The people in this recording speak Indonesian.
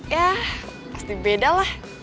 yah pasti bedalah